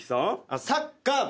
サッカー部。